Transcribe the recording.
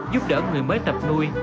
giúp đỡ người mới tập nuôi